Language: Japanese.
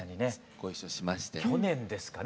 去年ですかね